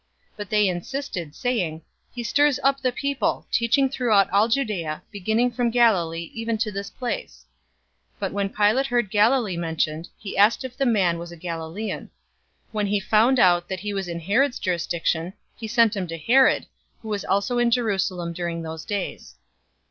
023:005 But they insisted, saying, "He stirs up the people, teaching throughout all Judea, beginning from Galilee even to this place." 023:006 But when Pilate heard Galilee mentioned, he asked if the man was a Galilean. 023:007 When he found out that he was in Herod's jurisdiction, he sent him to Herod, who was also in Jerusalem during those days.